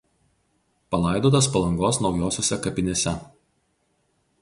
Palaidotas Palangos naujosiose kapinėse.